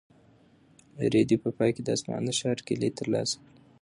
رېدي په پای کې د اصفهان د ښار کیلي ترلاسه کړه.